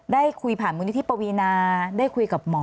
ได้คุยผ่านมูลนิธิปวีนาได้คุยกับหมอ